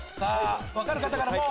分かる方からもう。